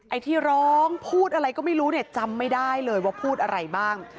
ไอ้ที่ร้องพูดอะไรก็ไม่รู้เนี่ยจำไม่ได้เลยว่าพูดอะไรบ้าง